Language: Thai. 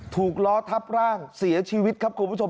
ถูกล้อทับร่างเสียชีวิตครับคุณผู้ชม